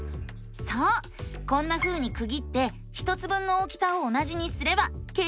こんなふうにくぎって１つ分の大きさを同じにすれば計算できるんだよね！